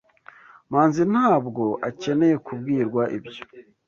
Manzi ntabwo akeneye kubwirwa ibyo.